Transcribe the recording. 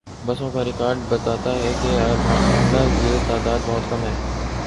بسوں کا ریکارڈ بتاتا ہے کہ عملا یہ تعداد بہت کم ہے۔